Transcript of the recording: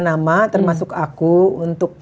nama termasuk aku untuk